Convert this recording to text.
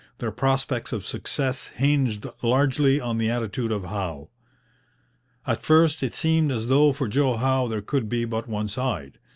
Their prospects of success hinged largely on the attitude of Howe. At first it seemed as though for Joe Howe there could be but one side.